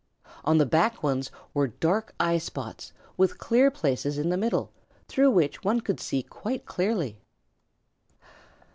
On the back ones were dark eye spots with clear places in the middle, through which one could see quite clearly.